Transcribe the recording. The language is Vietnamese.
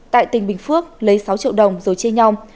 tại tỉnh bình phước lấy sáu triệu đồng rồi chia nhau